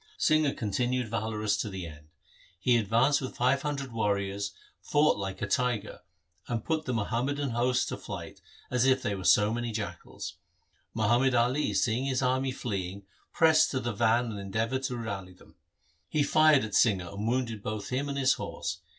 Singha continued valorous to the last. He advanced with five hundred warriors, fought like a tiger, and put the Muhammadan hosts to flight, as if they were so many jackals. Muhammad Ali, seeing his army fleeing, pressed to the van and endeavoured to rally them. He fired at Singha and wounded both him and his horse.